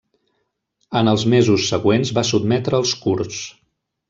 En els mesos següents va sotmetre als kurds.